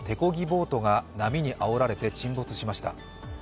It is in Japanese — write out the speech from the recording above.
ボートが波にあおられて沈没しました。